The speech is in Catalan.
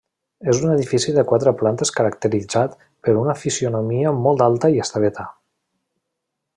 És un edifici de quatre plantes caracteritzat per una fisonomia molt alta i estreta.